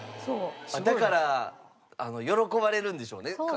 だから喜ばれるんでしょうね